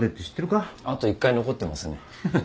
あと１回残ってますねハハハ。